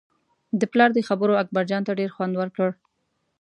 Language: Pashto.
د پلار دې خبرو اکبرجان ته ډېر خوند ورکړ.